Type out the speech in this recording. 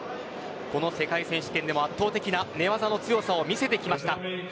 この世界選手権でも圧倒的な寝技の強さを見せてきました。